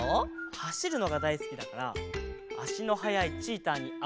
はしるのがだいすきだからあしのはやいチーターにあこがれるんだよね。